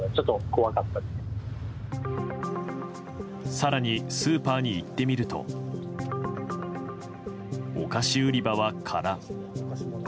更にスーパーに行ってみるとお菓子売り場は空。